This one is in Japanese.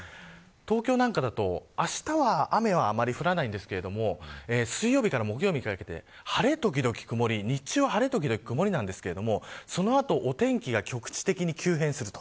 東京なんかだと、あしたは雨はあまり降らないんですが水曜日から木曜日にかけて晴れ時々曇りなんですけれどもその後お天気が局地的に急変すると。